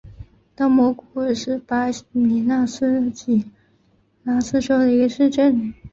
大莫古尔是巴西米纳斯吉拉斯州的一个市镇。